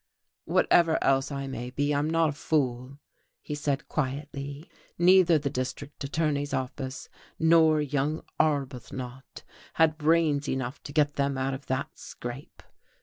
"Whatever else I may be, I'm not a fool," he said quietly. "Neither the district attorney's office, nor young Arbuthnot had brains enough to get them out of that scrape.